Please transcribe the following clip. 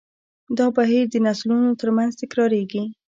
دا بهیر د نسلونو تر منځ تکراریږي.